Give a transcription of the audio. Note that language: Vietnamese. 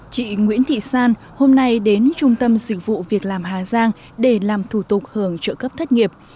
chị nguyễn thị san hôm nay đến trung tâm dịch vụ việc làm hà giang để làm thủ tục hưởng trợ cấp thất nghiệp